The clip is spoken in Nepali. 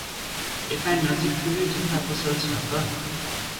यता नजिक कुनै जुत्ता पसल छ त?